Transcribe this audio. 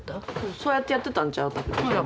そうやってやってたんちゃうか？